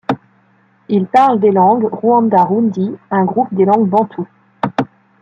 Ils parlent des langues rwanda-rundi, un groupe des langues bantoues.